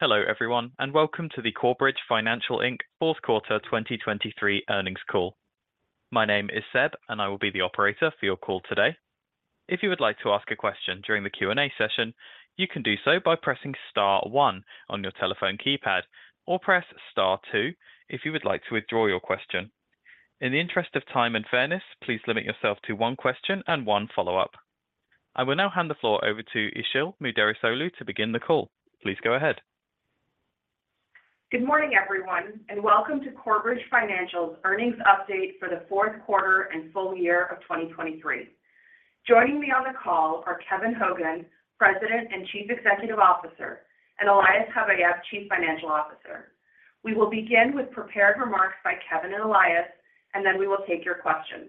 Hello everyone and welcome to the Corebridge Financial Inc. Fourth Quarter 2023 Earnings Call. My name is Seb and I will be the operator for your call today. If you would like to ask a question during the Q&A session, you can do so by pressing star one on your telephone keypad or press star two if you would like to withdraw your question. In the interest of time and fairness, please limit yourself to one question and one follow-up. I will now hand the floor over to Isil Muderrisogluto begin the call. Please go ahead. Good morning everyone and welcome to Corebridge Financial's earnings update for the Fourth Quarter and full-year of 2023. Joining me on the call are Kevin Hogan, President and Chief Executive Officer, and Elias Habayeb, Chief Financial Officer. We will begin with prepared remarks by Kevin and Elias and then we will take your questions.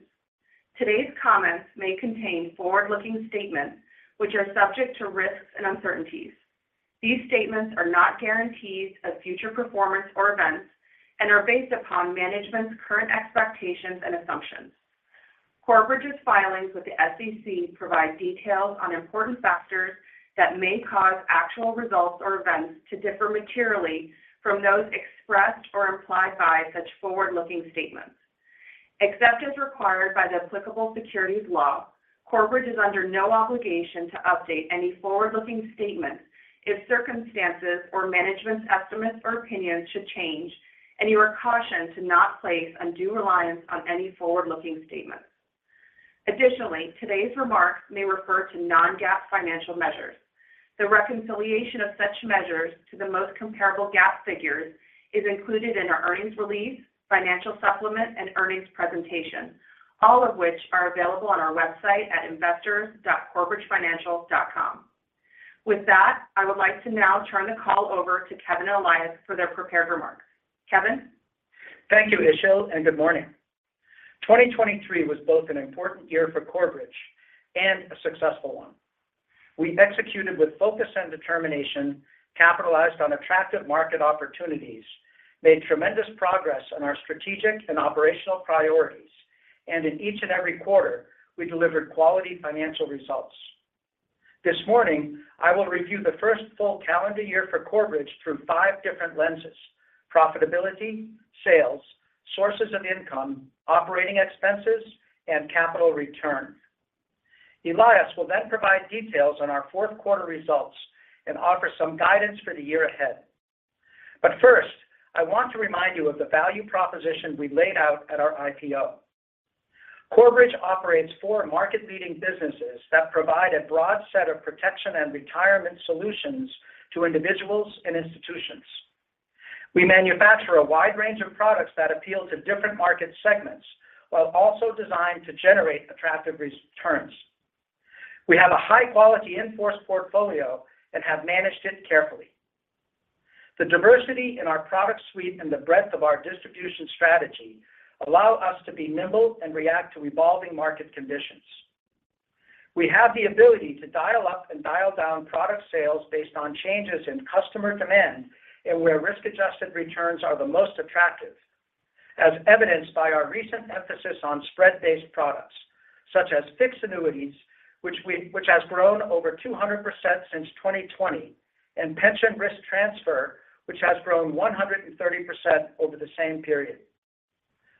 Today's comments may contain forward-looking statements which are subject to risks and uncertainties. These statements are not guarantees of future performance or events and are based upon management's current expectations and assumptions. Corebridge's filings with the SEC provide details on important factors that may cause actual results or events to differ materially from those expressed or implied by such forward-looking statements. Except as required by the applicable securities law, Corebridge is under no obligation to update any forward-looking statements if circumstances or management's estimates or opinions should change and you are cautioned to not place undue reliance on any forward-looking statements. Additionally, today's remarks may refer to non-GAAP financial measures. The reconciliation of such measures to the most comparable GAAP figures is included in our earnings release, financial supplement, and earnings presentation, all of which are available on our website at investors.corebridgefinancial.com. With that, I would like to now turn the call over to Kevin and Elias for their prepared remarks. Kevin? Thank you, Isil, and good morning. 2023 was both an important year for Corebridge and a successful one. We executed with focus and determination, capitalized on attractive market opportunities, made tremendous progress on our strategic and operational priorities, and in each and every quarter we delivered quality financial results. This morning I will review the first full calendar year for Corebridge through five different lenses: profitability, sales, sources of income, operating expenses, and capital return. Elias will then provide details on our fourth quarter results and offer some guidance for the year ahead. But first, I want to remind you of the value proposition we laid out at our IPO. Corebridge operates four market-leading businesses that provide a broad set of protection and retirement solutions to individuals and institutions. We manufacture a wide range of products that appeal to different market segments while also designed to generate attractive returns. We have a high-quality enforced portfolio and have managed it carefully. The diversity in our product suite and the breadth of our distribution strategy allow us to be nimble and react to evolving market conditions. We have the ability to dial up and dial down product sales based on changes in customer demand and where risk-adjusted returns are the most attractive, as evidenced by our recent emphasis on spread-based products such as fixed annuities, which has grown over 200% since 2020, and pension risk transfer, which has grown 130% over the same period.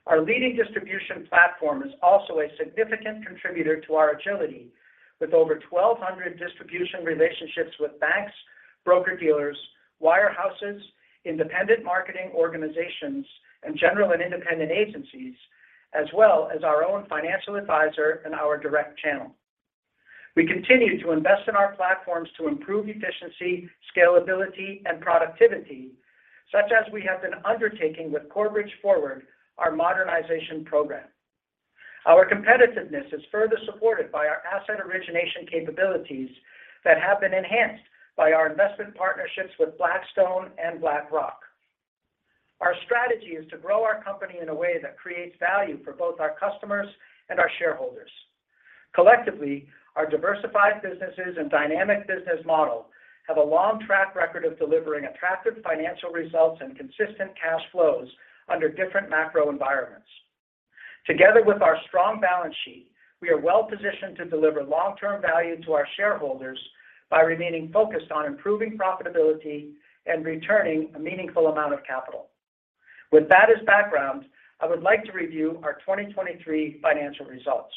Our leading distribution platform is also a significant contributor to our agility, with over 1,200 distribution relationships with banks, broker-dealers, wirehouses, independent marketing organizations, and general and independent agencies, as well as our own financial advisor and our direct channel. We continue to invest in our platforms to improve efficiency, scalability, and productivity, such as we have been undertaking with Corebridge Forward, our modernization program. Our competitiveness is further supported by our asset origination capabilities that have been enhanced by our investment partnerships with Blackstone and BlackRock. Our strategy is to grow our company in a way that creates value for both our customers and our shareholders. Collectively, our diversified businesses and dynamic business model have a long track record of delivering attractive financial results and consistent cash flows under different macro environments. Together with our strong balance sheet, we are well positioned to deliver long-term value to our shareholders by remaining focused on improving profitability and returning a meaningful amount of capital. With that as background, I would like to review our 2023 financial results.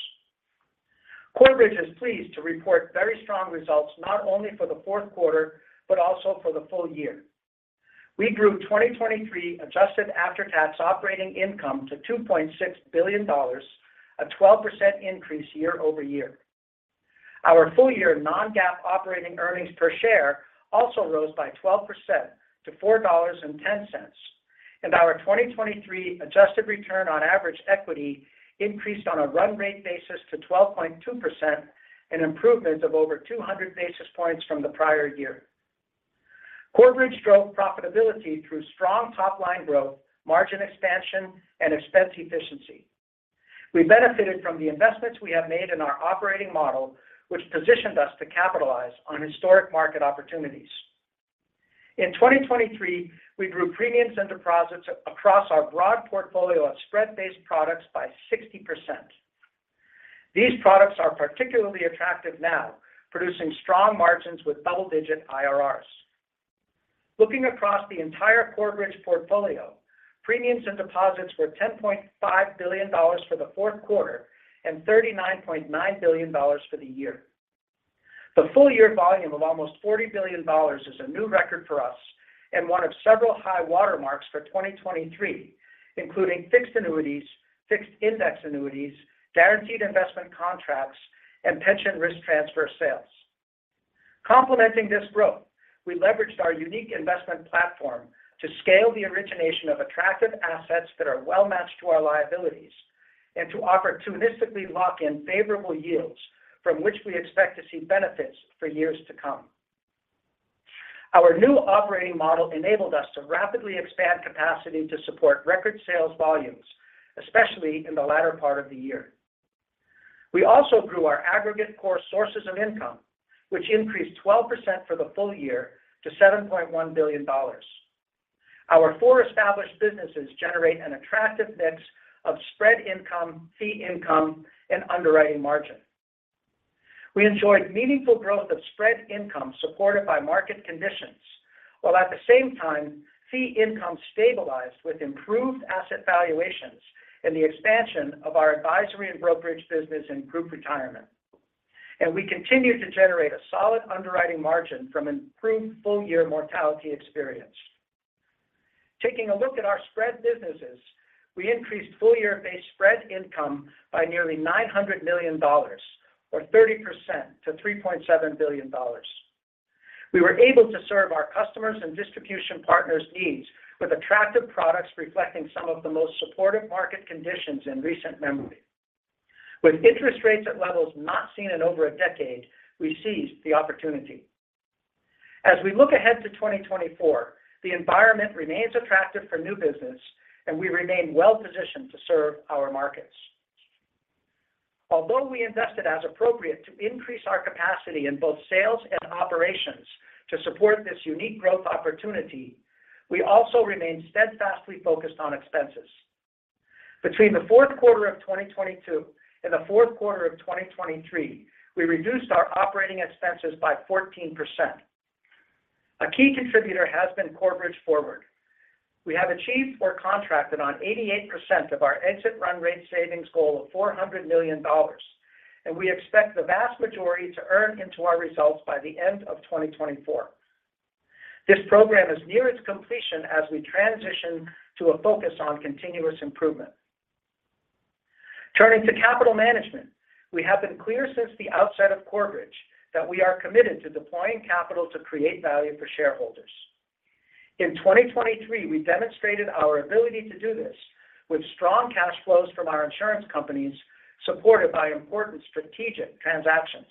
Corebridge is pleased to report very strong results not only for the fourth quarter but also for the full year. We grew 2023 adjusted after-tax operating income to $2.6 billion, a 12% increase year-over-year. Our full-year non-GAAP operating earnings per share also rose by 12% to $4.10, and our 2023 adjusted return on average equity increased on a run-rate basis to 12.2%, an improvement of over 200 basis points from the prior year. Corebridge drove profitability through strong top-line growth, margin expansion, and expense efficiency. We benefited from the investments we have made in our operating model, which positioned us to capitalize on historic market opportunities. In 2023, we grew premiums and deposits across our broad portfolio of spread-based products by 60%. These products are particularly attractive now, producing strong margins with double-digit IRRs. Looking across the entire Corebridge portfolio, premiums and deposits were $10.5 billion for the fourth quarter and $39.9 billion for the year. The full-year volume of almost $40 billion is a new record for us and one of several high watermarks for 2023, including fixed annuities, fixed index annuities, guaranteed investment contracts, and pension risk transfer sales. Complementing this growth, we leveraged our unique investment platform to scale the origination of attractive assets that are well matched to our liabilities and to opportunistically lock in favorable yields from which we expect to see benefits for years to come. Our new operating model enabled us to rapidly expand capacity to support record sales volumes, especially in the latter part of the year. We also grew our aggregate core sources of income, which increased 12% for the full-year to $7.1 billion. Our four established businesses generate an attractive mix of spread income, fee income, and underwriting margin. We enjoyed meaningful growth of spread income supported by market conditions, while at the same time fee income stabilized with improved asset valuations and the expansion of our advisory and brokerage business in group retirement. We continue to generate a solid underwriting margin from improved full-year mortality experience. Taking a look at our spread businesses, we increased full-year-based spread income by nearly $900 million, or 30% to $3.7 billion. We were able to serve our customers' and distribution partners' needs with attractive products reflecting some of the most supportive market conditions in recent memory. With interest rates at levels not seen in over a decade, we seized the opportunity. As we look ahead to 2024, the environment remains attractive for new business, and we remain well positioned to serve our markets. Although we invested as appropriate to increase our capacity in both sales and operations to support this unique growth opportunity, we also remained steadfastly focused on expenses. Between the fourth quarter of 2022 and the fourth quarter of 2023, we reduced our operating expenses by 14%. A key contributor has been Corebridge Forward. We have achieved or contracted on 88% of our exit run-rate savings goal of $400 million, and we expect the vast majority to earn into our results by the end of 2024. This program is near its completion as we transition to a focus on continuous improvement. Turning to capital management, we have been clear since the outset of Corebridge that we are committed to deploying capital to create value for shareholders. In 2023, we demonstrated our ability to do this with strong cash flows from our insurance companies supported by important strategic transactions.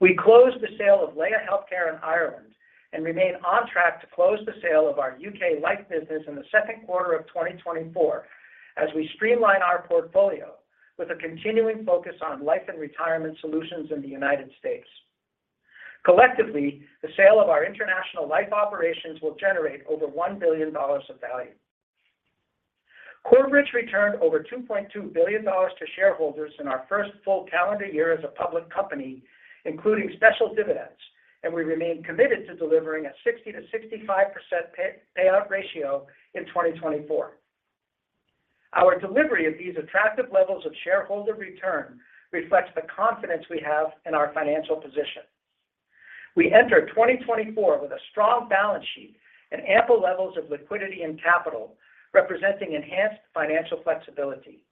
We closed the sale of Laya Healthcare in Ireland and remain on track to close the sale of our UK Life business in the second quarter of 2024 as we streamline our portfolio with a continuing focus on life and retirement solutions in the United States. Collectively, the sale of our international life operations will generate over $1 billion of value. Corebridge returned over $2.2 billion to shareholders in our first full calendar year as a public company, including special dividends, and we remain committed to delivering a 60% to 65% payout ratio in 2024. Our delivery of these attractive levels of shareholder return reflects the confidence we have in our financial position. We enter 2024 with a strong balance sheet and ample levels of liquidity and capital, representing enhanced financial flexibility.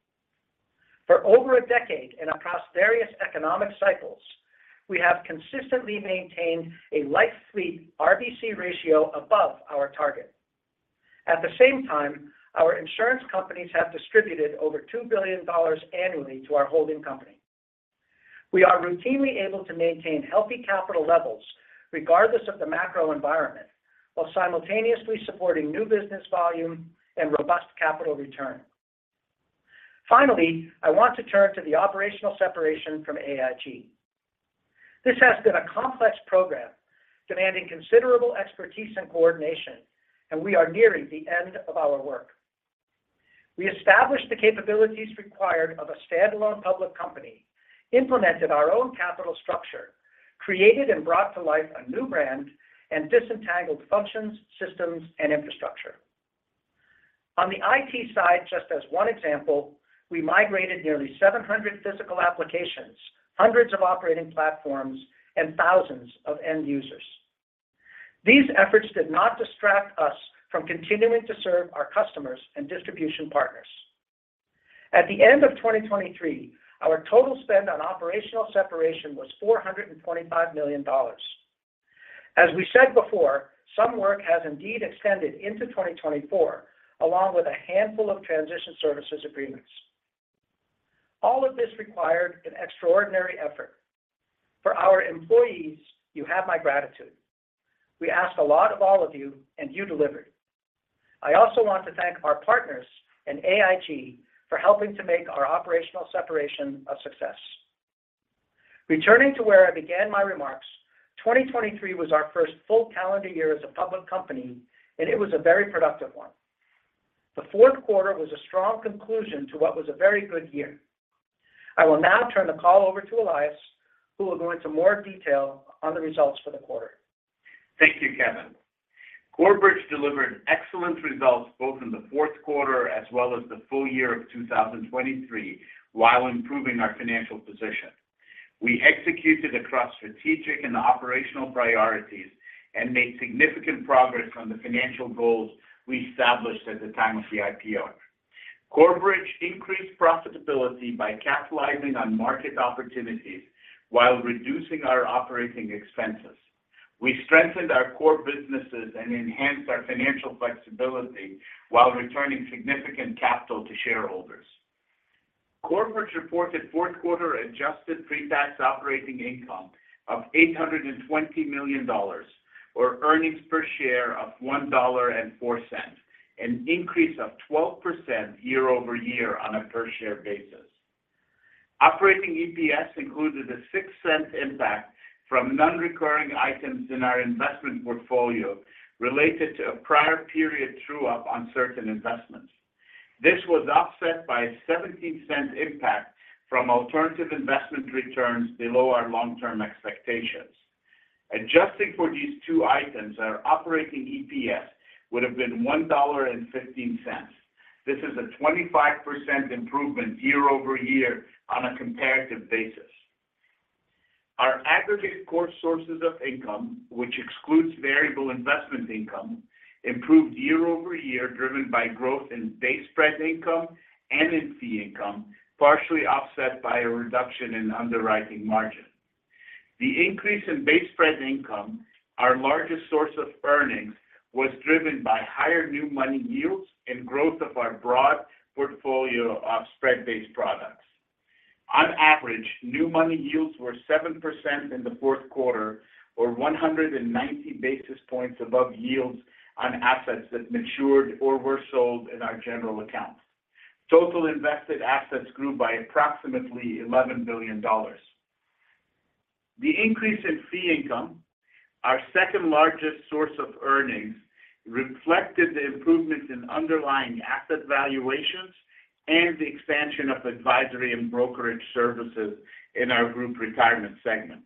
For over a decade and across various economic cycles, we have consistently maintained a life fleet RBC ratio above our target. At the same time, our insurance companies have distributed over $2 billion annually to our holding company. We are routinely able to maintain healthy capital levels regardless of the macro environment while simultaneously supporting new business volume and robust capital return. Finally, I want to turn to the operational separation from AIG. This has been a complex program demanding considerable expertise and coordination, and we are nearing the end of our work. We established the capabilities required of a standalone public company, implemented our own capital structure, created and brought to life a new brand, and disentangled functions, systems, and infrastructure. On the IT side, just as one example, we migrated nearly 700 physical applications, 100s of operating platforms, and 1,000s of end users. These efforts did not distract us from continuing to serve our customers and distribution partners. At the end of 2023, our total spend on operational separation was $425 million. As we said before, some work has indeed extended into 2024 along with a handful of transition services agreements. All of this required an extraordinary effort. For our employees, you have my gratitude. We asked a lot of all of you, and you delivered. I also want to thank our partners and AIG for helping to make our operational separation a success. Returning to where I began my remarks, 2023 was our first full calendar year as a public company, and it was a very productive one. The fourth quarter was a strong conclusion to what was a very good year. I will now turn the call over to Elias, who will go into more detail on the results for the quarter. Thank you, Kevin. Corebridge delivered excellent results both in the fourth quarter as well as the full-year of 2023 while improving our financial position. We executed across strategic and operational priorities and made significant progress on the financial goals we established at the time of the IPO. Corebridge increased profitability by capitalizing on market opportunities while reducing our operating expenses. We strengthened our core businesses and enhanced our financial flexibility while returning significant capital to shareholders. Corebridge reported fourth quarter adjusted pre-tax operating income of $820 million, or earnings per share of $1.04, an increase of 12% year-over-year on a per-share basis. Operating EPS included a 0.06 impact from non-recurring items in our investment portfolio related to a prior period true-up on certain investments. This was offset by a $0.17 impact from alternative investment returns below our long-term expectations. Adjusting for these two items, our operating EPS would have been $1.15. This is a 25% improvement year-over-year on a comparative basis. Our aggregate core sources of income, which excludes variable investment income, improved year-over-year driven by growth in base spread income and in fee income, partially offset by a reduction in underwriting margin. The increase in base spread income, our largest source of earnings, was driven by higher new money yields and growth of our broad portfolio of spread-based products. On average, new money yields were 7% in the fourth quarter, or 190 basis points above yields on assets that matured or were sold in our general account. Total invested assets grew by approximately $11 billion. The increase in fee income, our second largest source of earnings, reflected the improvements in underlying asset valuations and the expansion of advisory and brokerage services in our Group Retirement segment.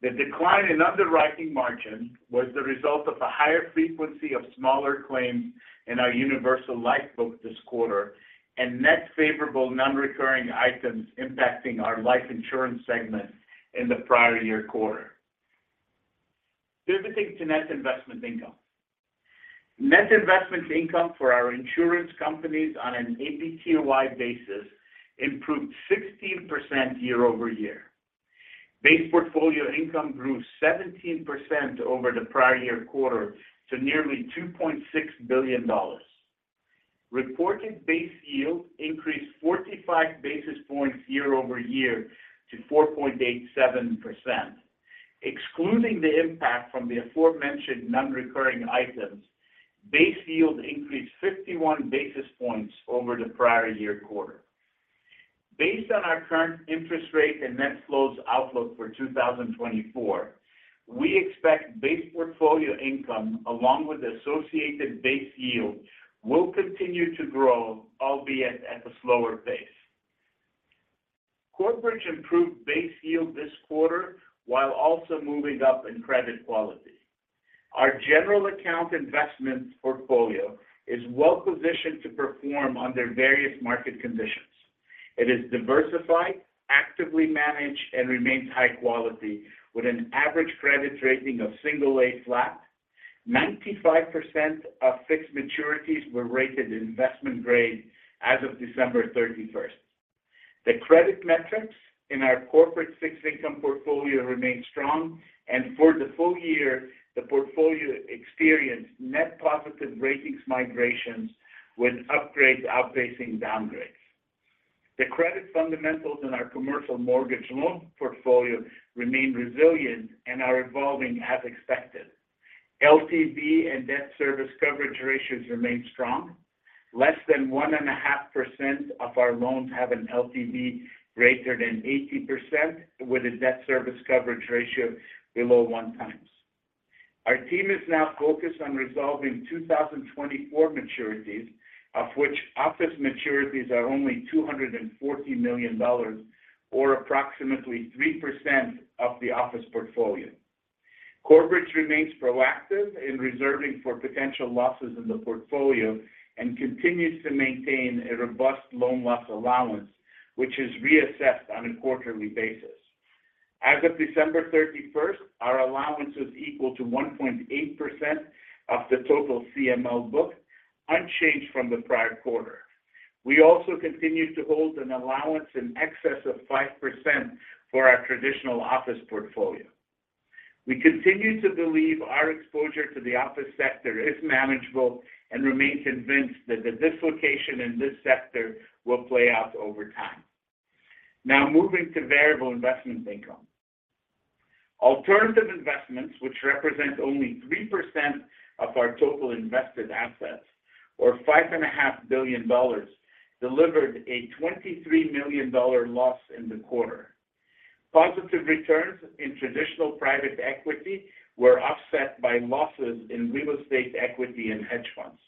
The decline in underwriting margin was the result of a higher frequency of smaller claims in our universal life book this quarter and net favorable non-recurring items impacting our Life Insurance segment in the prior year quarter. Pivoting to net investment income. Net investment income for our insurance companies on an APTOI basis improved 16% year-over-year. Base portfolio income grew 17% over the prior year quarter to nearly $2.6 billion. Reported base yield increased 45 basis points year-over-year to 4.87%. Excluding the impact from the aforementioned non-recurring items, base yield increased 51 basis points over the prior year quarter. Based on our current interest rate and net flows outlook for 2024, we expect base portfolio income along with associated base yield will continue to grow, albeit at a slower pace. Corebridge improved base yield this quarter while also moving up in credit quality. Our general account investments portfolio is well positioned to perform under various market conditions. It is diversified, actively managed, and remains high quality with an average credit rating of Single-A flat. 95% of fixed maturities were rated investment grade as of December 31st. The credit metrics in our corporate fixed income portfolio remain strong, and for the full-year, the portfolio experienced net positive ratings migrations with upgrades outpacing downgrades. The credit fundamentals in our commercial mortgage loan portfolio remain resilient and are evolving as expected. LTV and debt service coverage ratios remain strong. Less than 1.5% of our loans have an LTV greater than 80% with a debt service coverage ratio below 1x. Our team is now focused on resolving 2024 maturities, of which office maturities are only $240 million, or approximately 3% of the office portfolio. Corebridge remains proactive in reserving for potential losses in the portfolio and continues to maintain a robust loan loss allowance, which is reassessed on a quarterly basis. As of December 31st, our allowance was equal to 1.8% of the total CML book, unchanged from the prior quarter. We also continue to hold an allowance in excess of 5% for our traditional office portfolio. We continue to believe our exposure to the office sector is manageable and remain convinced that the dislocation in this sector will play out over time. Now moving to variable investment income. Alternative investments, which represent only 3% of our total invested assets, or $5.5 billion, delivered a $23 million loss in the quarter. Positive returns in traditional private equity were offset by losses in real estate equity and hedge funds.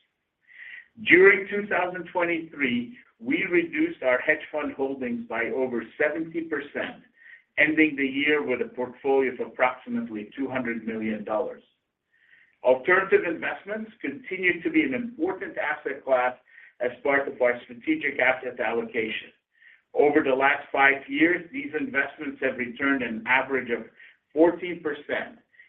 During 2023, we reduced our hedge fund holdings by over 70%, ending the year with a portfolio of approximately $200 million. Alternative investments continue to be an important asset class as part of our strategic asset allocation. Over the last five years, these investments have returned an average of 14%,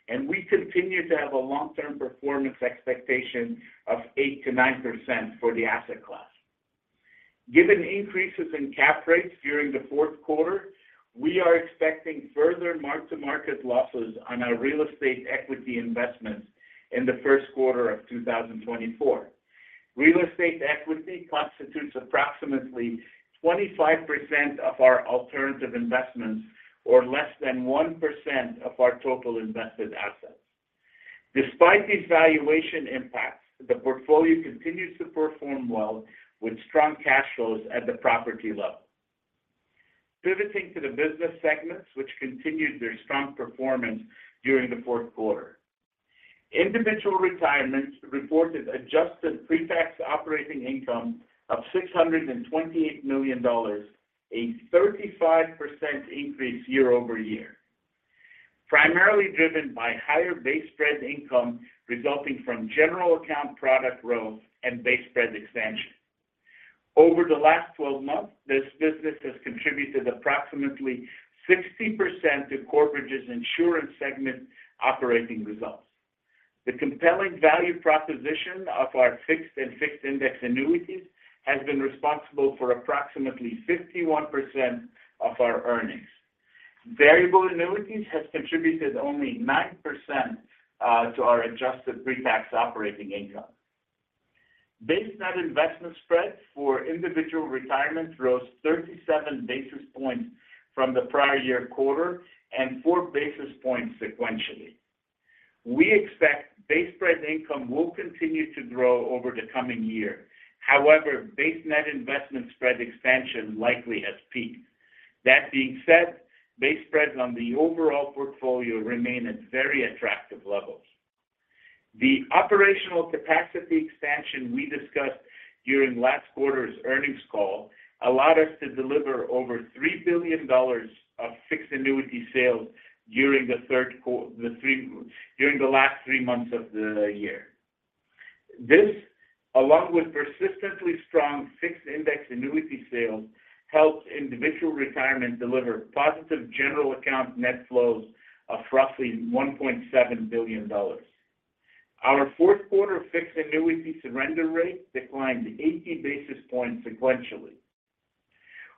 and we continue to have a long-term performance expectation of 8% to 9% for the asset class. Given increases in cap rates during the fourth quarter, we are expecting further mark-to-market losses on our real estate equity investments in the first quarter of 2024. Real estate equity constitutes approximately 25% of our alternative investments or less than 1% of our total invested assets. Despite these valuation impacts, the portfolio continues to perform well with strong cash flows at the property level. Pivoting to the business segments, which continued their strong performance during the fourth quarter. Individual Retirement reported adjusted pre-tax operating income of $628 million, a 35% increase year-over-year, primarily driven by higher base spread income resulting from general account product growth and base spread expansion. Over the last 12 months, this business has contributed approximately 60% to Corebridge's insurance segment operating results. The compelling value proposition of our Fixed and Fixed Index Annuities has been responsible for approximately 51% of our earnings. Variable annuities have contributed only 9% to our adjusted pre-tax operating income. Base net investment spread for Individual Retirement rose 37 basis points from the prior year quarter and 4 basis points sequentially. We expect base spread income will continue to grow over the coming year. However, base net investment spread expansion likely has peaked. That being said, base spreads on the overall portfolio remain at very attractive levels. The operational capacity expansion we discussed during last quarter's earnings call allowed us to deliver over $3 billion of Fixed Annuity sales during the last three months of the year. This, along with persistently strong Fixed Index Annuity sales, helped Individual Retirement deliver positive General Account net flows of roughly $1.7 billion. Our fourth quarter Fixed Annuity surrender rate declined 80 basis points sequentially.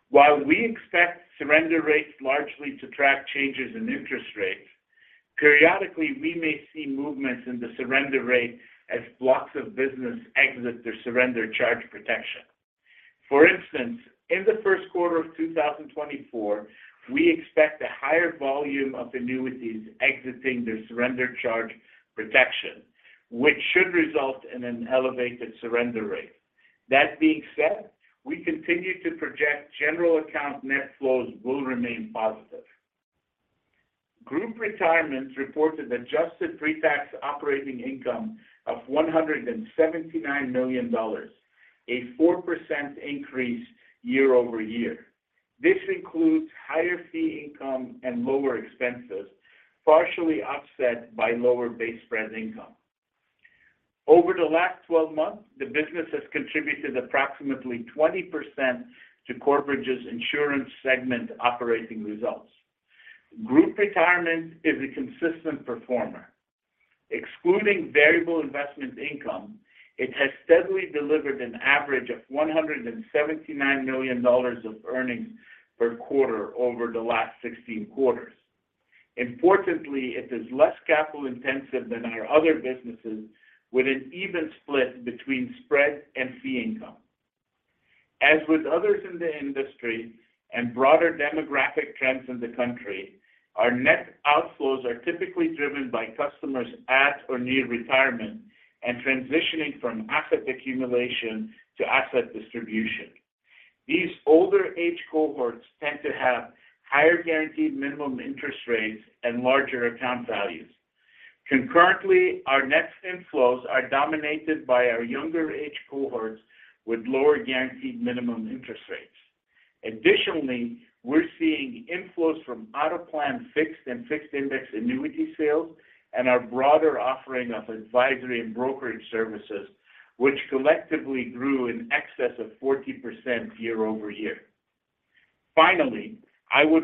While we expect surrender rates largely to track changes in interest rates, periodically we may see movements in the surrender rate as blocks of business exit their surrender charge protection. For instance, in the first quarter of 2024, we expect a higher volume of annuities exiting their surrender charge protection, which should result in an elevated surrender rate. That being said, we continue to project general account net flows will remain positive. Group Retirement reported adjusted pre-tax operating income of $179 million, a 4% increase year-over-year. This includes higher fee income and lower expenses, partially offset by lower base spread income. Over the last 12 months, the business has contributed approximately 20% to Corebridge's insurance segment operating results. Group Retirement is a consistent performer. Excluding variable investment income, it has steadily delivered an average of $179 million of earnings per quarter over the last 16 quarters. Importantly, it is less capital-intensive than our other businesses with an even split between spread and fee income. As with others in the industry and broader demographic trends in the country, our net outflows are typically driven by customers at or near retirement and transitioning from asset accumulation to asset distribution. These older age cohorts tend to have higher guaranteed minimum interest rates and larger account values. Concurrently, our net inflows are dominated by our younger age cohorts with lower guaranteed minimum interest rates. Additionally, we're seeing inflows from out-of-plan fixed and fixed index annuity sales and our broader offering of advisory and brokerage services, which collectively grew an excess of 40% year-over-year. Finally, I would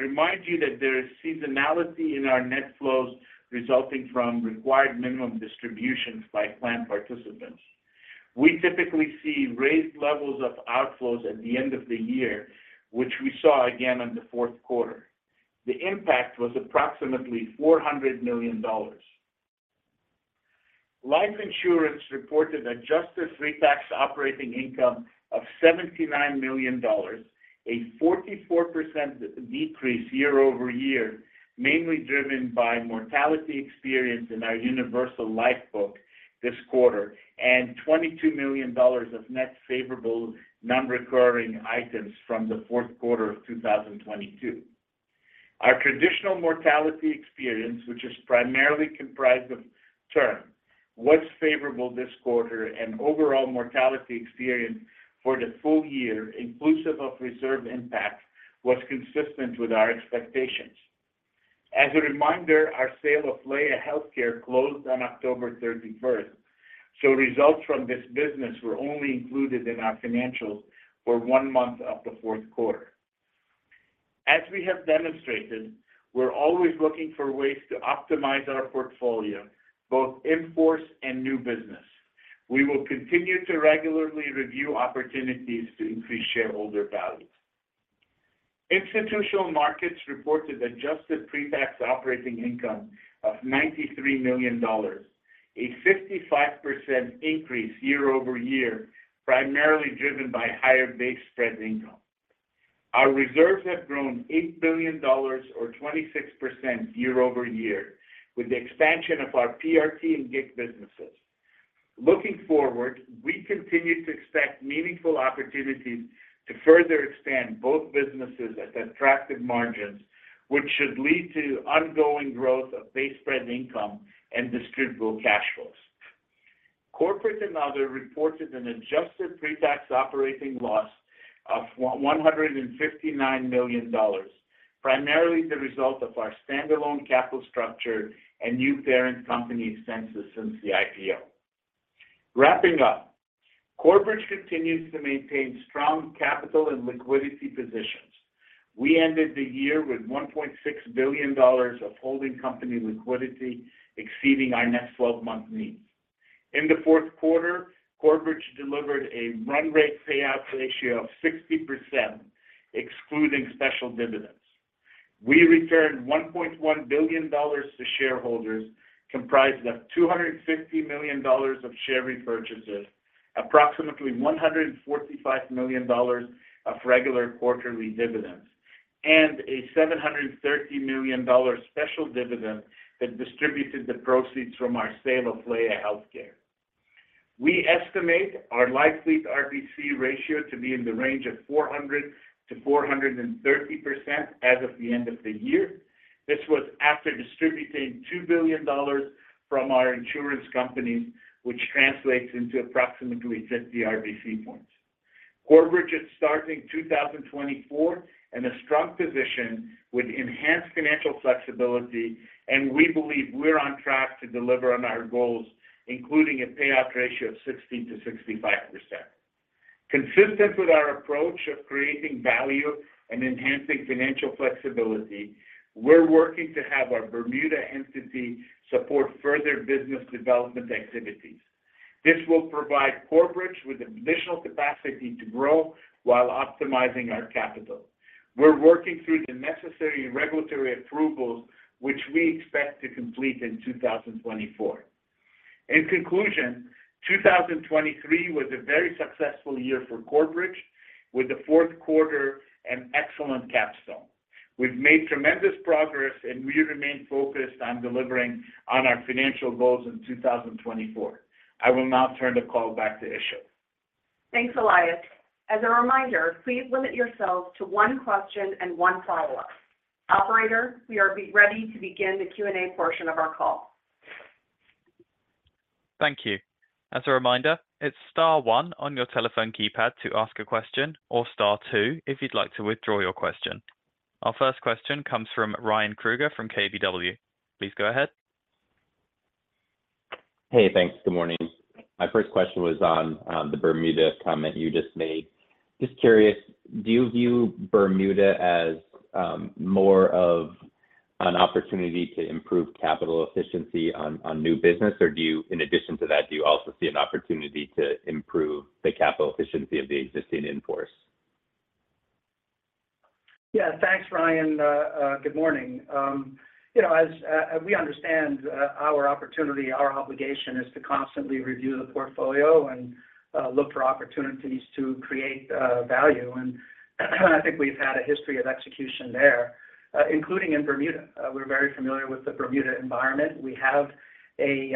remind you that there is seasonality in our net flows resulting from required minimum distributions by plan participants. We typically see raised levels of outflows at the end of the year, which we saw again in the fourth quarter. The impact was approximately $400 million. Life insurance reported adjusted pre-tax operating income of $79 million, a 44% decrease year-over-year, mainly driven by mortality experience in our universal life book this quarter and $22 million of net favorable non-recurring items from the fourth quarter of 2022. Our traditional mortality experience, which is primarily comprised of term, was favorable this quarter, and overall mortality experience for the full-year, inclusive of reserve impact, was consistent with our expectations. As a reminder, our sale of Laya Healthcare closed on October 31st, so results from this business were only included in our financials for one month of the 4th quarter. As we have demonstrated, we're always looking for ways to optimize our portfolio, both in-force and new business. We will continue to regularly review opportunities to increase shareholder value. Institutional Markets reported adjusted pre-tax operating income of $93 million, a 55% increase year-over-year, primarily driven by higher base spread income. Our reserves have grown $8 billion, or 26%, year-over-year with the expansion of our PRT and GIC businesses. Looking forward, we continue to expect meaningful opportunities to further expand both businesses at attractive margins, which should lead to ongoing growth of base spread income and distributable cash flows. Corporate and other reported an adjusted pre-tax operating loss of $159 million, primarily the result of our standalone capital structure and new parent company expenses since the IPO. Wrapping up, Corebridge continues to maintain strong capital and liquidity positions. We ended the year with $1.6 billion of holding company liquidity exceeding our next 12-month needs. In the fourth quarter, Corebridge delivered a run rate payout ratio of 60%, excluding special dividends. We returned $1.1 billion to shareholders, comprised of $250 million of share repurchases, approximately $145 million of regular quarterly dividends, and a $730 million special dividend that distributed the proceeds from our sale of Laya Healthcare. We estimate our Life Fleet RBC ratio to be in the range of 400% to 430% as of the end of the year. This was after distributing $2 billion from our insurance companies, which translates into approximately 50 RBC points. Corebridge is starting 2024 in a strong position with enhanced financial flexibility, and we believe we're on track to deliver on our goals, including a payout ratio of 60% to 65%. Consistent with our approach of creating value and enhancing financial flexibility, we're working to have our Bermuda entity support further business development activities. This will provide Corebridge with additional capacity to grow while optimizing our capital. We're working through the necessary regulatory approvals, which we expect to complete in 2024. In conclusion, 2023 was a very successful year for Corebridge, with the fourth quarter an excellent capstone. We've made tremendous progress, and we remain focused on delivering on our financial goals in 2024. I will now turn the call back to Isıl. Thanks, Elias. As a reminder, please limit yourselves to one question and one follow-up. Operator, we are ready to begin the Q&A portion of our call. Thank you. As a reminder, it's star one on your telephone keypad to ask a question or star two if you'd like to withdraw your question. Our first question comes from Ryan Krueger from KBW. Please go ahead. Hey, thanks. Good morning. My first question was on the Bermuda comment you just made. Just curious, do you view Bermuda as more of an opportunity to improve capital efficiency on new business, or in addition to that, do you also see an opportunity to improve the capital efficiency of the existing in-force? Yeah, thanks, Ryan. Good morning. As we understand, our opportunity, our obligation is to constantly review the portfolio and look for opportunities to create value. I think we've had a history of execution there, including in Bermuda. We're very familiar with the Bermuda environment. We have a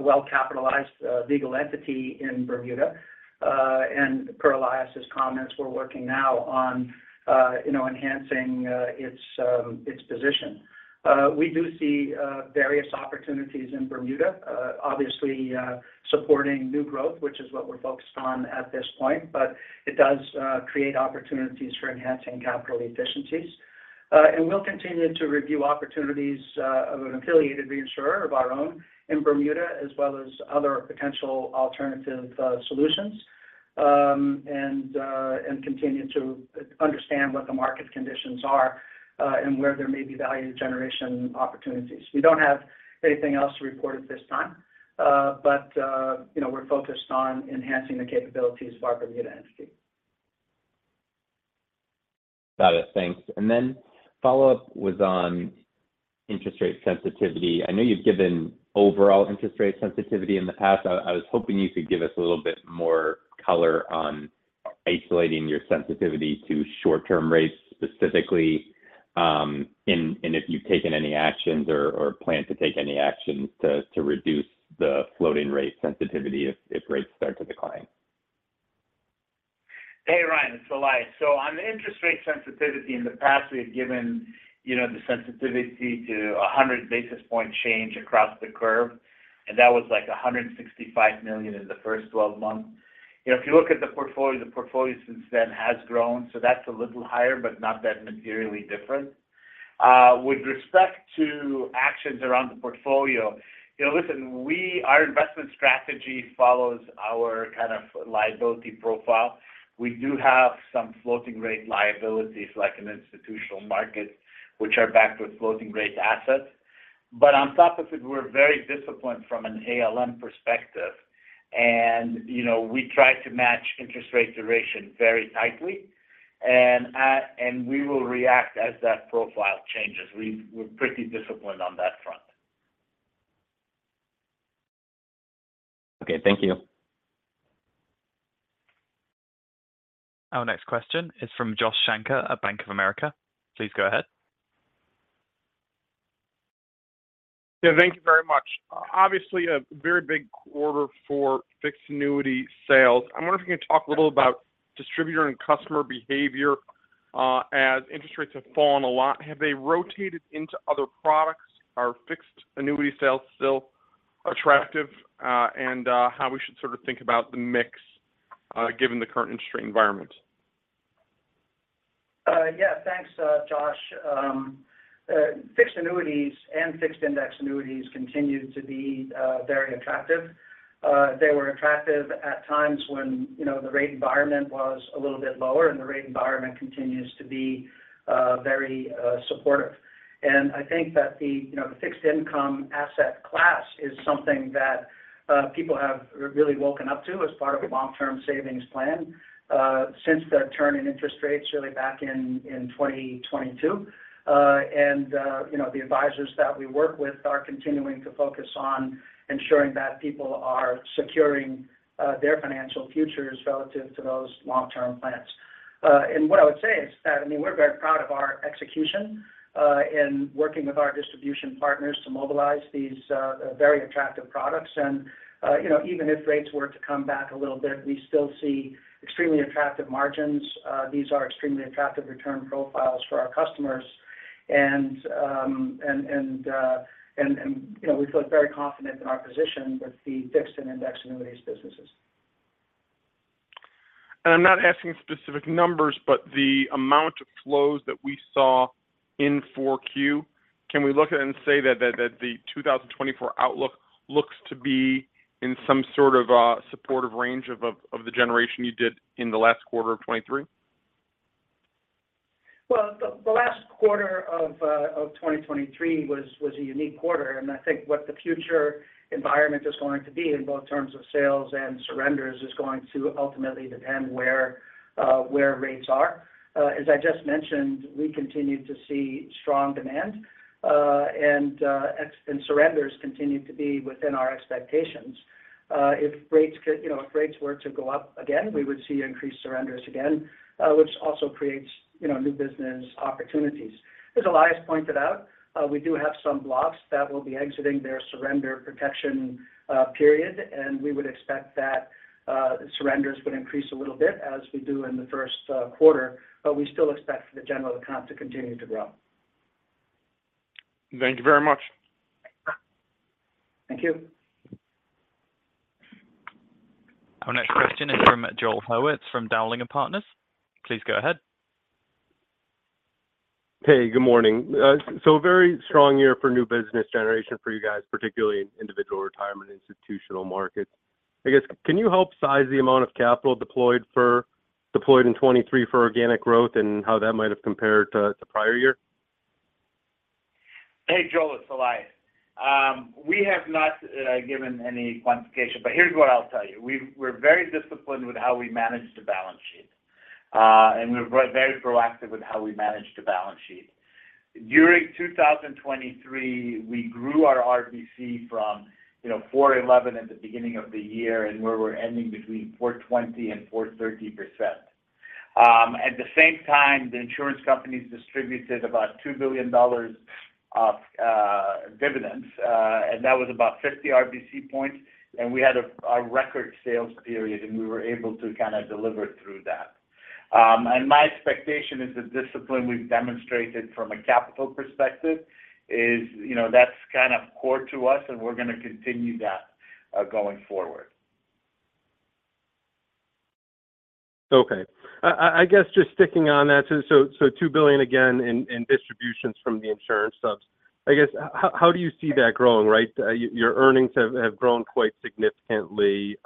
well-capitalized legal entity in Bermuda. Per Elias's comments, we're working now on enhancing its position. We do see various opportunities in Bermuda, obviously supporting new growth, which is what we're focused on at this point, but it does create opportunities for enhancing capital efficiencies. We'll continue to review opportunities of an affiliated reinsurer of our own in Bermuda, as well as other potential alternative solutions, and continue to understand what the market conditions are and where there may be value generation opportunities. We don't have anything else to report at this time, but we're focused on enhancing the capabilities of our Bermuda entity. Got it. Thanks. And then follow-up was on interest rate sensitivity. I know you've given overall interest rate sensitivity in the past. I was hoping you could give us a little bit more color on isolating your sensitivity to short-term rates specifically, and if you've taken any actions or plan to take any actions to reduce the floating rate sensitivity if rates start to decline. Hey, Ryan. It's Elias. So on the interest rate sensitivity in the past, we had given the sensitivity to 100 basis point change across the curve, and that was like $165 million in the first 12 months. If you look at the portfolio, the portfolio since then has grown, so that's a little higher, but not that materially different. With respect to actions around the portfolio, listen, our investment strategy follows our kind of liability profile. We do have some floating rate liabilities like in Institutional Markets, which are backed with floating rate assets. But on top of it, we're very disciplined from an ALM perspective, and we try to match interest rate duration very tightly, and we will react as that profile changes. We're pretty disciplined on that front. Okay. Thank you. Our next question is from Josh Shanker at Bank of America. Please go ahead. Yeah, thank you very much. Obviously, a very big quarter for fixed annuity sales. I'm wondering if you can talk a little about distributor and customer behavior as interest rates have fallen a lot. Have they rotated into other products? Are fixed annuity sales still attractive, and how we should sort of think about the mix given the current interest rate environment? Yeah, thanks, Josh. Fixed annuities and fixed index annuities continue to be very attractive. They were attractive at times when the rate environment was a little bit lower, and the rate environment continues to be very supportive. I think that the fixed income asset class is something that people have really woken up to as part of a long-term savings plan since the turn in interest rates really back in 2022. The advisors that we work with are continuing to focus on ensuring that people are securing their financial futures relative to those long-term plans. What I would say is that, I mean, we're very proud of our execution in working with our distribution partners to mobilize these very attractive products. Even if rates were to come back a little bit, we still see extremely attractive margins. These are extremely attractive return profiles for our customers, and we feel very confident in our position with the fixed and indexed annuities businesses. I'm not asking specific numbers, but the amount of flows that we saw in 4Q, can we look at it and say that the 2024 outlook looks to be in some sort of supportive range of the generation you did in the last quarter of 2023? Well, the last quarter of 2023 was a unique quarter, and I think what the future environment is going to be in both terms of sales and surrenders is going to ultimately depend where rates are. As I just mentioned, we continue to see strong demand, and surrenders continue to be within our expectations. If rates were to go up again, we would see increased surrenders again, which also creates new business opportunities. As Elias pointed out, we do have some blocks that will be exiting their surrender protection period, and we would expect that surrenders would increase a little bit as we do in the first quarter, but we still expect the general account to continue to grow. Thank you very much. Thank you. Our next question is from Joel Hurwitz from Dowling & Partners. Please go ahead. Hey, good morning. So a very strong year for new business generation for you guys, particularly in Individual Retirement and Institutional Markets. I guess, can you help size the amount of capital deployed in 2023 for organic growth and how that might have compared to a prior year? Hey, Joel. It's Elias. We have not given any quantification, but here's what I'll tell you. We're very disciplined with how we manage the balance sheet, and we're very proactive with how we manage the balance sheet. During 2023, we grew our RBC from 411% at the beginning of the year, and we were ending between 420% to 430%. At the same time, the insurance companies distributed about $2 billion of dividends, and that was about 50 RBC points. We had a record sales period, and we were able to kind of deliver through that. My expectation is the discipline we've demonstrated from a capital perspective is that's kind of core to us, and we're going to continue that going forward. Okay. Just sticking on that, so $2 billion again in distributions from the insurance subs. How do you see that growing, right? Your earnings have grown quite significantly,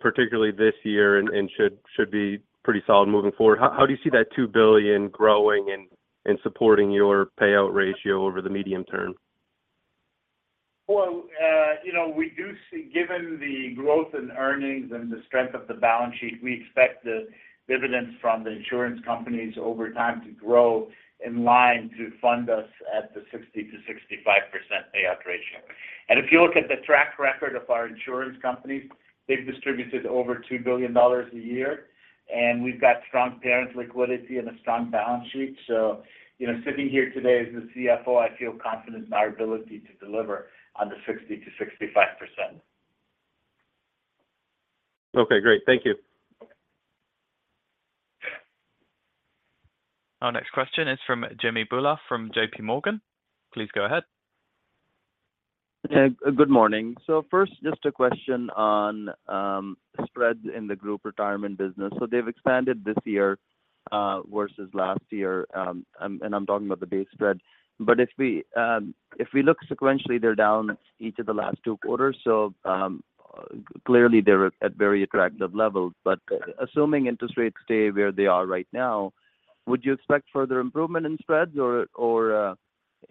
particularly this year, and should be pretty solid moving forward. How do you see that $2 billion growing and supporting your payout ratio over the medium term? Well, we do see, given the growth in earnings and the strength of the balance sheet, we expect the dividends from the insurance companies over time to grow in line to fund us at the 60% to 65% payout ratio. And if you look at the track record of our insurance companies, they've distributed over $2 billion a year, and we've got strong parent liquidity and a strong balance sheet. So sitting here today as the CFO, I feel confident in our ability to deliver on the 60% to 65%. Okay. Great. Thank you. Our next question is from Jimmy Bhullar from JP Morgan. Please go ahead. Yeah. Good morning. So first, just a question on spread in the group retirement business. So they've expanded this year versus last year, and I'm talking about the base spread. But if we look sequentially, they're down each of the last two quarters. So clearly, they're at very attractive levels. But assuming interest rates stay where they are right now, would you expect further improvement in spreads, or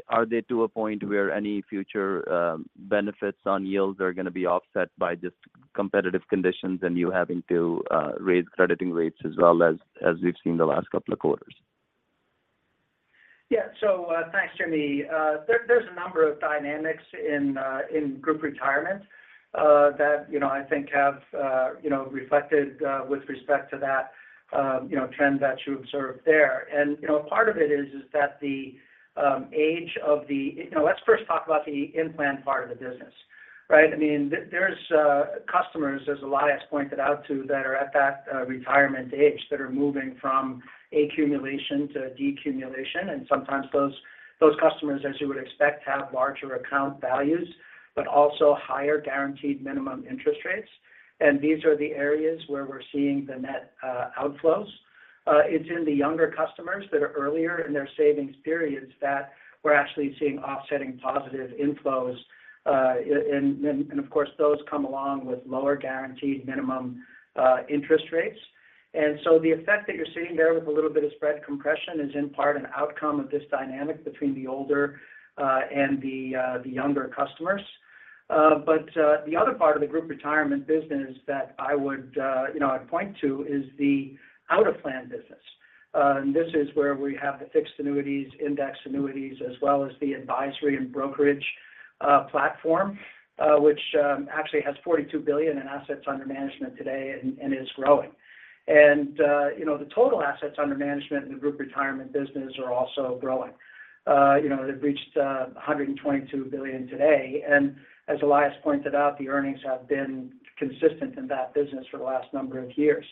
are they to a point where any future benefits on yields are going to be offset by just competitive conditions and you having to raise crediting rates as well as we've seen the last couple of quarters? Yeah. So thanks, Jimmy. There's a number of dynamics in Group Retirement that I think have reflected with respect to that trend that you observed there. And part of it is that the age of the let's first talk about the in-plan part of the business, right? I mean, there's customers, as Elias pointed out to, that are at that retirement age that are moving from accumulation to decumulation. And sometimes those customers, as you would expect, have larger account values but also higher guaranteed minimum interest rates. And these are the areas where we're seeing the net outflows. It's in the younger customers that are earlier in their savings periods that we're actually seeing offsetting positive inflows. And of course, those come along with lower guaranteed minimum interest rates. The effect that you're seeing there with a little bit of spread compression is in part an outcome of this dynamic between the older and the younger customers. But the other part of the Group Retirement business that I would point to is the out-of-plan business. And this is where we have the fixed annuities, index annuities, as well as the advisory and brokerage platform, which actually has $42 billion in assets under management today and is growing. And the total assets under management in the Group Retirement business are also growing. They've reached $122 billion today. And as Elias pointed out, the earnings have been consistent in that business for the last number of years.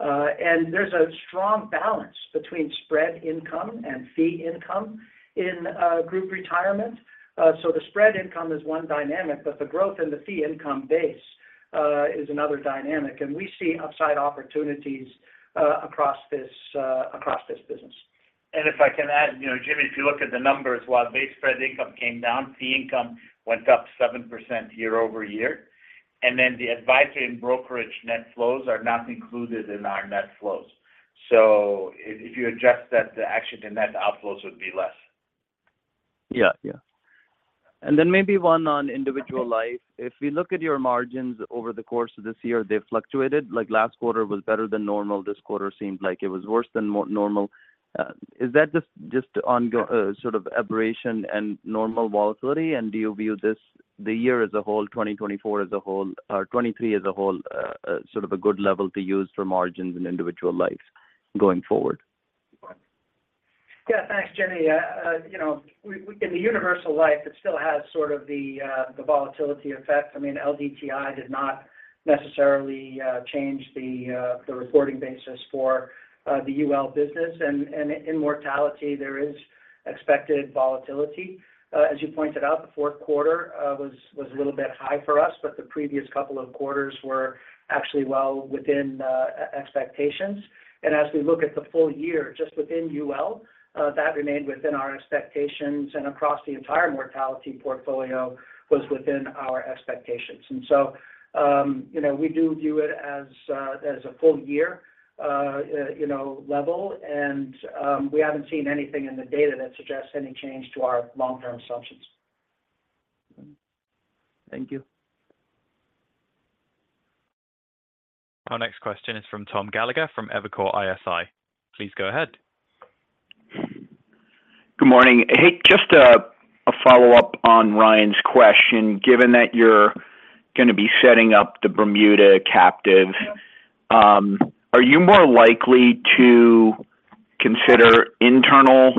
And there's a strong balance between spread income and fee income in Group Retirement. So the spread income is one dynamic, but the growth in the fee income base is another dynamic. We see upside opportunities across this business. If I can add, Jimmy, if you look at the numbers, while base spread income came down, fee Income went up 7% year-over-year. Then the advisory and brokerage net flows are not included in our net flows. So if you adjust that, actually, the net outflows would be less. Yeah. Yeah. Maybe one on individual life. If we look at your margins over the course of this year, they've fluctuated. Last quarter was better than normal. This quarter seemed like it was worse than normal. Is that just sort of aberration and normal volatility? Do you view the year as a whole, 2024 as a whole, or 2023 as a whole, sort of a good level to use for margins and individual life going forward? Yeah. Thanks, Jimmy. In the universal life, it still has sort of the volatility effect. I mean, LDTI did not necessarily change the reporting basis for the UL business. In mortality, there is expected volatility. As you pointed out, the fourth quarter was a little bit high for us, but the previous couple of quarters were actually well within expectations. As we look at the full year just within UL, that remained within our expectations, and across the entire mortality portfolio was within our expectations. So we do view it as a full-year level, and we haven't seen anything in the data that suggests any change to our long-term assumptions. Thank you. Our next question is from Tom Gallagher from Evercore ISI. Please go ahead. Good morning. Hey, just a follow-up on Ryan's question. Given that you're going to be setting up the Bermuda captives, are you more likely to consider internal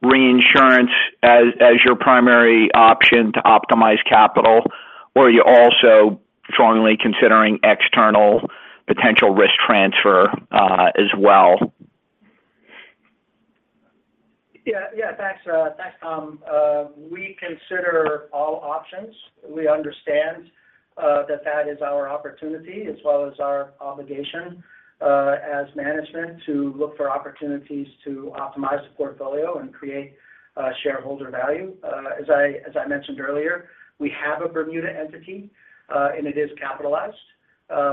reinsurance as your primary option to optimize capital, or are you also strongly considering external potential risk transfer as well? Yeah. Yeah. Thanks, Tom. We consider all options. We understand that that is our opportunity as well as our obligation as management to look for opportunities to optimize the portfolio and create shareholder value. As I mentioned earlier, we have a Bermuda entity, and it is capitalized.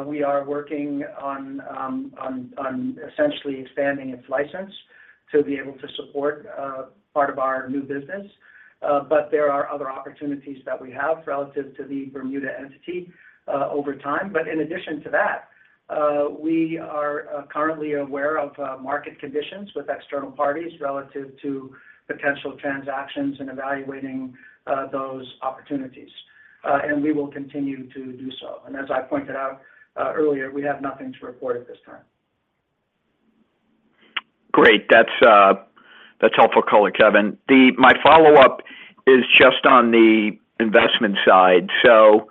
We are working on essentially expanding its license to be able to support part of our new business. But there are other opportunities that we have relative to the Bermuda entity over time. But in addition to that, we are currently aware of market conditions with external parties relative to potential transactions and evaluating those opportunities. And we will continue to do so. And as I pointed out earlier, we have nothing to report at this time. Great. That's helpful color, Kevin. My follow-up is just on the investment side. So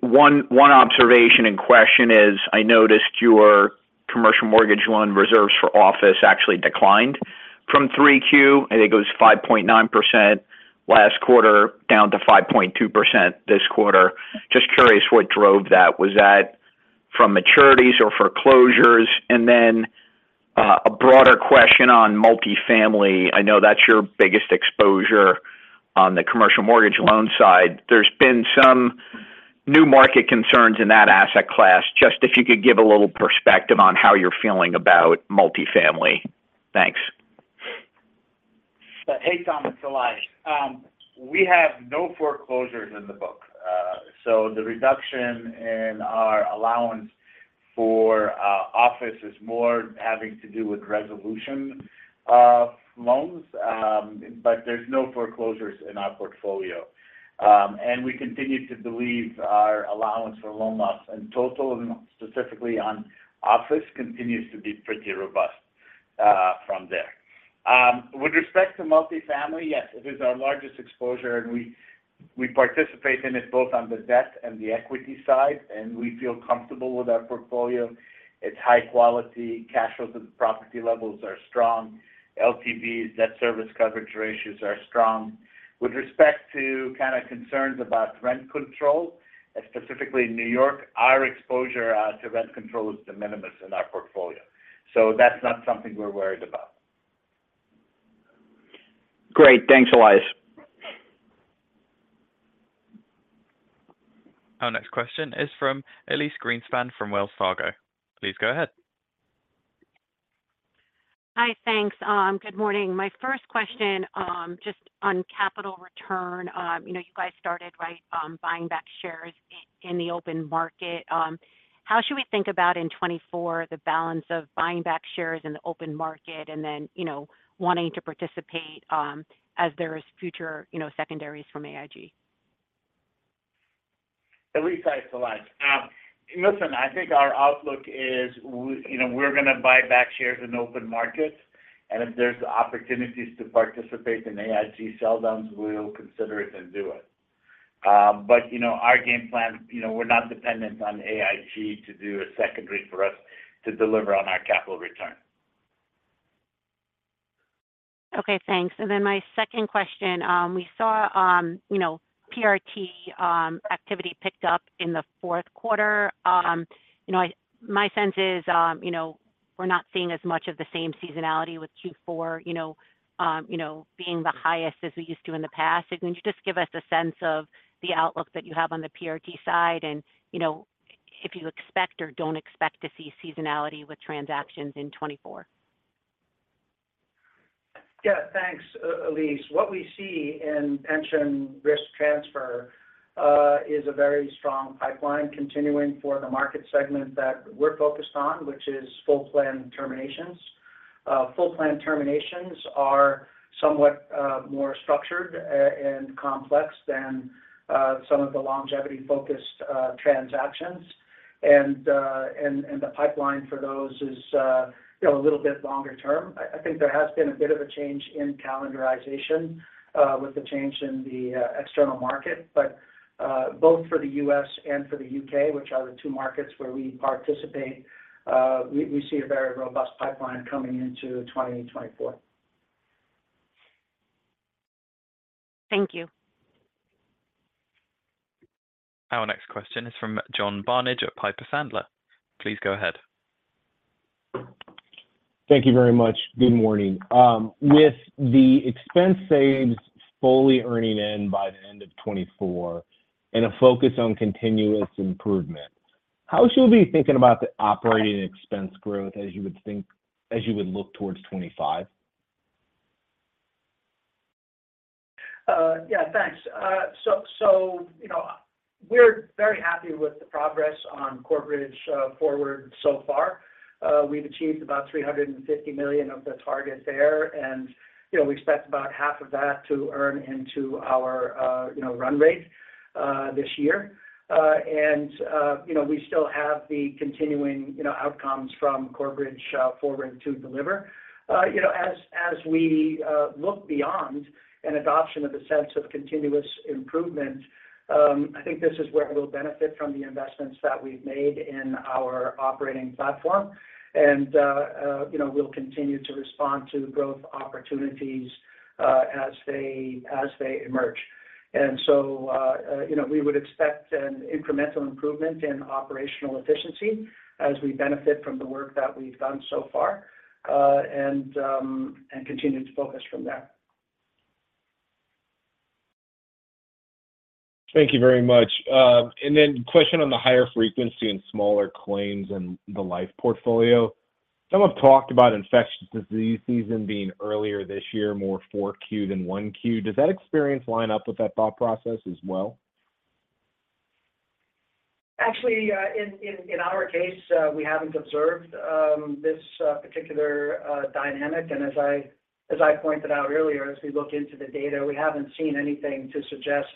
one observation and question is, I noticed your commercial mortgage loan reserves for office actually declined from 3Q. I think it was 5.9% last quarter down to 5.2% this quarter. Just curious what drove that. Was that from maturities or foreclosures? And then a broader question on multifamily. I know that's your biggest exposure on the commercial mortgage loan side. There's been some new market concerns in that asset class. Just if you could give a little perspective on how you're feeling about multifamily. Thanks. Hey, Tom. It's Elias. We have no foreclosures in the book. So the reduction in our allowance for office is more having to do with resolution loans, but there's no foreclosures in our portfolio. And we continue to believe our allowance for loan loss in total, specifically on office, continues to be pretty robust from there. With respect to multifamily, yes, it is our largest exposure, and we participate in it both on the debt and the equity side. And we feel comfortable with our portfolio. It's high quality. Cash flows to the property levels are strong. LTVs, debt service coverage ratios are strong. With respect to kind of concerns about rent control, specifically in New York, our exposure to rent control is de minimis in our portfolio. So that's not something we're worried about. Great. Thanks, Elias. Our next question is from Elyse Greenspan from Wells Fargo. Please go ahead. Hi. Thanks. Good morning. My first question just on capital return. You guys started, right, buying back shares in the open market. How should we think about in 2024 the balance of buying back shares in the open market and then wanting to participate as there are future secondaries from AIG? Elyse, hi. It's Elias. Listen, I think our outlook is we're going to buy back shares in the open market. And if there's opportunities to participate in AIG sell-downs, we'll consider it and do it. But our game plan, we're not dependent on AIG to do a secondary for us to deliver on our capital return. Okay. Thanks. And then my second question, we saw PRT activity picked up in the fourth quarter. My sense is we're not seeing as much of the same seasonality with Q4 being the highest as we used to in the past. So can you just give us a sense of the outlook that you have on the PRT side and if you expect or don't expect to see seasonality with transactions in 2024? Yeah. Thanks, Elyse. What we see in Pension Risk Transfer is a very strong pipeline continuing for the market segment that we're focused on, which is full-plan terminations. Full-plan terminations are somewhat more structured and complex than some of the longevity-focused transactions. And the pipeline for those is a little bit longer term. I think there has been a bit of a change in calendarization with the change in the external market. But both for the U.S. and for the U.K., which are the two markets where we participate, we see a very robust pipeline coming into 2024. Thank you. Our next question is from John Barnidge at Piper Sandler. Please go ahead. Thank you very much. Good morning. With the expense saves fully earning in by the end of 2024 and a focus on continuous improvement, how should we be thinking about the operating expense growth as you would look towards 2025? Yeah. Thanks. So we're very happy with the progress on Corebridge Forward so far. We've achieved about $350 million of the target there, and we expect about half of that to earn into our run rate this year. And we still have the continuing outcomes from Corebridge Forward to deliver. As we look beyond an adoption of a sense of continuous improvement, I think this is where we'll benefit from the investments that we've made in our operating platform. And we'll continue to respond to growth opportunities as they emerge. And so we would expect an incremental improvement in operational efficiency as we benefit from the work that we've done so far and continue to focus from there. Thank you very much. And then question on the higher frequency and smaller claims in the life portfolio. Some have talked about infectious disease season being earlier this year, more 4Q than 1Q. Does that experience line up with that thought process as well? Actually, in our case, we haven't observed this particular dynamic. As I pointed out earlier, as we look into the data, we haven't seen anything to suggest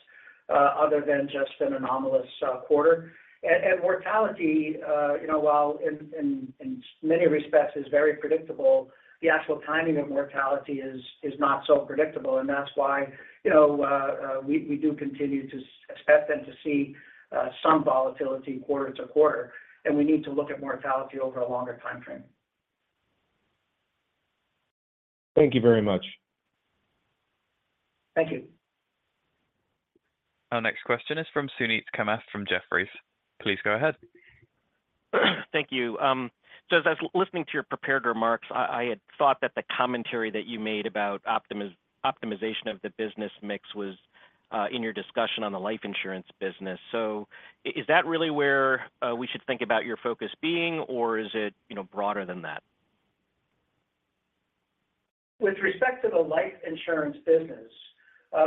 other than just an anomalous quarter. Mortality, while in many respects is very predictable, the actual timing of mortality is not so predictable. That's why we do continue to expect then to see some volatility quarter-to-quarter. We need to look at mortality over a longer time frame. Thank you very much. Thank you. Our next question is from Suneet Kamath from Jefferies. Please go ahead. Thank you. So as I was listening to your prepared remarks, I had thought that the commentary that you made about optimization of the business mix was in your discussion on the life insurance business. So is that really where we should think about your focus being, or is it broader than that? With respect to the life insurance business,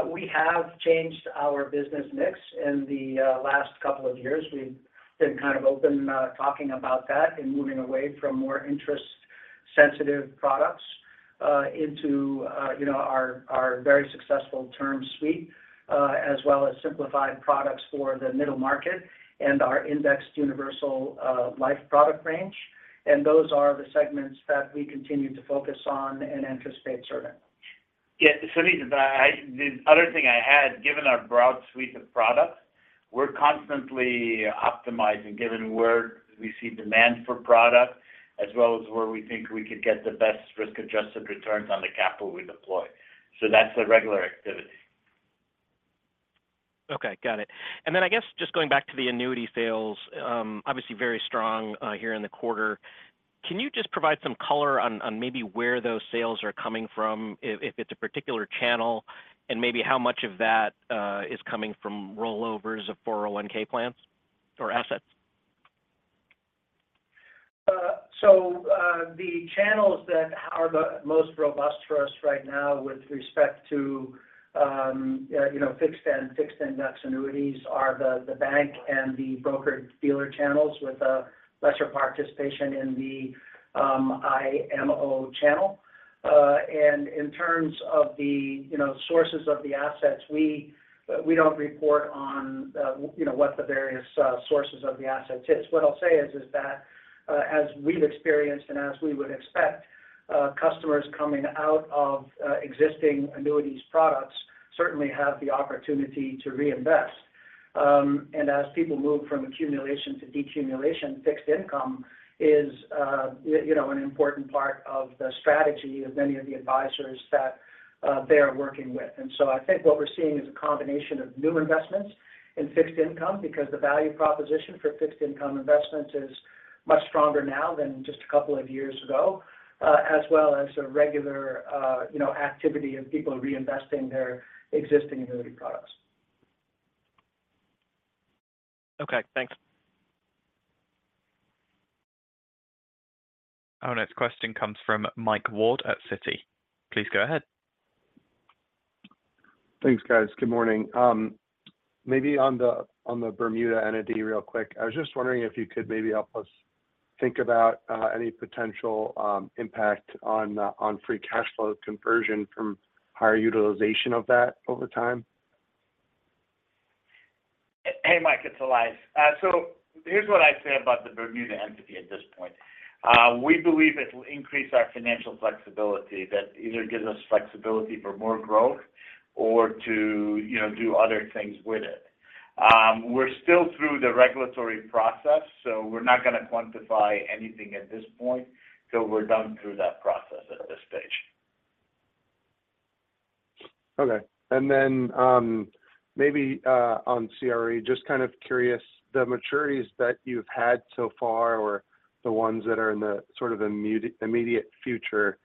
we have changed our business mix in the last couple of years. We've been kind of open talking about that and moving away from more interest-sensitive products into our very successful term suite as well as simplified products for the middle market and our Indexed Universal Life product range. Those are the segments that we continue to focus on and anticipate serving. Yeah. Suneet, the other thing I had, given our broad suite of products, we're constantly optimizing given where we see demand for product as well as where we think we could get the best risk-adjusted returns on the capital we deploy. So that's a regular activity. Okay. Got it. And then just going back to the annuity sales, obviously very strong here in the quarter. Can you just provide some color on maybe where those sales are coming from, if it's a particular channel, and maybe how much of that is coming from rollovers of 401(k) plans or assets? So the channels that are the most robust for us right now with respect to fixed and indexed annuities are the bank and the broker-dealer channels with a lesser participation in the IMO channel. And in terms of the sources of the assets, we don't report on what the various sources of the assets is. What I'll say is that as we've experienced and as we would expect, customers coming out of existing annuities products certainly have the opportunity to reinvest. And as people move from accumulation to decumulation, fixed income is an important part of the strategy of many of the advisors that they are working with. And so I think what we're seeing is a combination of new investments in fixed income because the value proposition for fixed income investments is much stronger now than just a couple of years ago as well as a regular activity of people reinvesting their existing annuity products. Okay. Thanks. Our next question comes from Mike Ward at Citi. Please go ahead. Thanks, guys. Good morning. Maybe on the Bermuda entity real quick, I was just wondering if you could maybe help us think about any potential impact on free cash flow conversion from higher utilization of that over time. Hey, Mike. It's Elias. So here's what I'd say about the Bermuda entity at this point. We believe it'll increase our financial flexibility, that either gives us flexibility for more growth or to do other things with it. We're still through the regulatory process, so we're not going to quantify anything at this point. So we're done through that process at this stage. Okay. Then maybe on CRE, just kind of curious, the maturities that you've had so far or the ones that are in the sort of immediate future,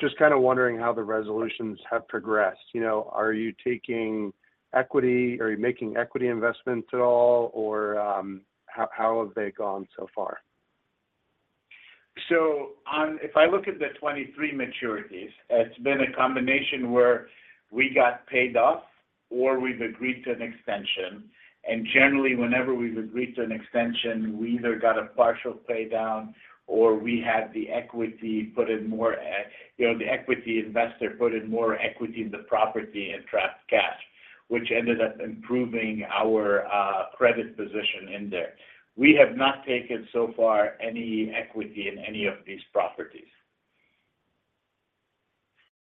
just kind of wondering how the resolutions have progressed. Are you taking equity? Are you making equity investments at all, or how have they gone so far? So if I look at the 2023 maturities, it's been a combination where we got paid off or we've agreed to an extension. Generally, whenever we've agreed to an extension, we either got a partial paydown or we had the equity investor put in more equity in the property and trapped cash, which ended up improving our credit position in there. We have not taken so far any equity in any of these properties.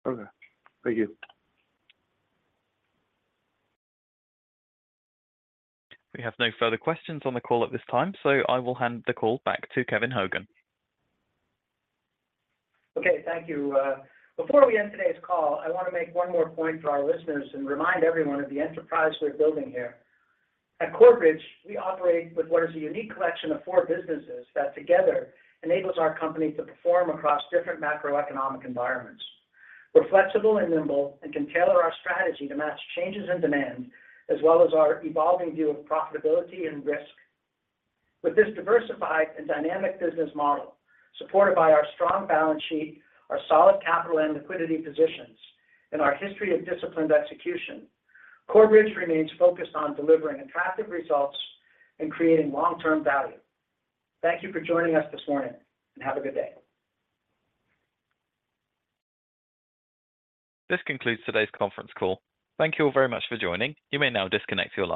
Okay. Thank you. We have no further questions on the call at this time, so I will hand the call back to Kevin Hogan. Okay. Thank you. Before we end today's call, I want to make one more point for our listeners and remind everyone of the enterprise we're building here. At Corebridge, we operate with what is a unique collection of four businesses that together enables our company to perform across different macroeconomic environments. We're flexible and nimble and can tailor our strategy to match changes in demand as well as our evolving view of profitability and risk. With this diversified and dynamic business model, supported by our strong balance sheet, our solid capital and liquidity positions, and our history of disciplined execution, Corebridge remains focused on delivering attractive results and creating long-term value. Thank you for joining us this morning, and have a good day. This concludes today's conference call. Thank you all very much for joining. You may now disconnect your line.